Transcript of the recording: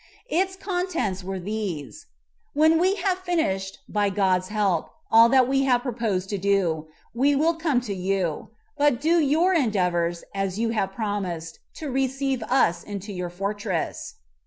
Its contents were these: "When we have finished, by God's help, all that we have proposed to do, we will come to you; but do your endeavors, as you have promised, to receive us into your fortress."